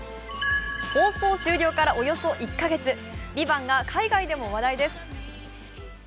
放送終了からおよそ１か月、「ＶＩＶＡＮＴ」が海外でも話題です。